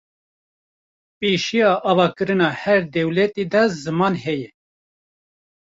pêşiya avakirina her dewletêkî de ziman heye